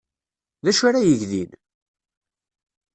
D acu ara yeg din?